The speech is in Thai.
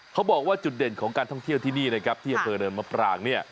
เขาบอกว่าจุดเด่นของการท่องเที่ยวที่นี่นะครับที่อำเภอเนินมะปรางเนี่ย